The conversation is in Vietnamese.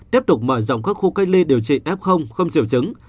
tiếp tục mở rộng các khu cách ly điều trị f không diều chứng